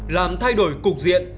làm thay đổi cục diện